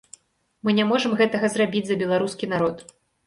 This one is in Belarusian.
Мы не можам гэтага зрабіць за беларускі народ.